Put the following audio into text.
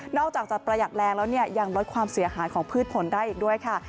อกจากจะประหยัดแรงแล้วเนี่ยยังลดความเสียหายของพืชผลได้อีกด้วยค่ะ